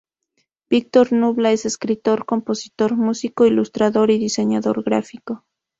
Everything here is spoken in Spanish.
Víctor Nubla es escritor, compositor, músico, ilustrador y diseñador gráfico.